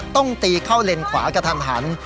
ต้องตีเข้าเลนขวากระทันหัน